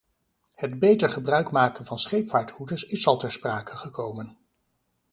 Het beter gebruikmaken van scheepvaartroutes is al ter sprake gekomen.